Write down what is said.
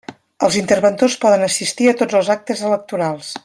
Els interventors poden assistir a tots els actes electorals.